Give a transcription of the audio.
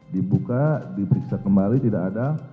dibuka diperiksa kembali tidak ada